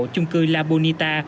trung cư la bonita